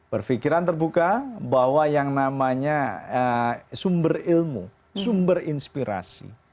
berpikiran terbuka bahwa yang namanya sumber ilmu sumber inspirasi